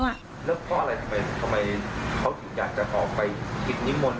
แล้วเพราะอะไรทำไมเขาถึงอยากจะออกไปกิจนิมนต์